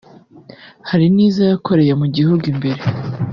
Hari n’izo yakoreye mu gihugu imbere